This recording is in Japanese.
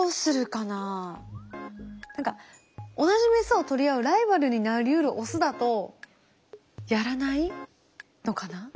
何か同じメスを取り合うライバルになりうるオスだとやらないのかな？